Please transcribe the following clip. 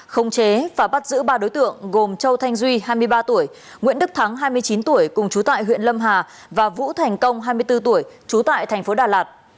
khống chế và bắt giữ ba đối tượng gồm châu thanh duy hai mươi ba tuổi nguyễn đức thắng hai mươi chín tuổi cùng chú tại huyện lâm hà và vũ thành công hai mươi bốn tuổi trú tại thành phố đà lạt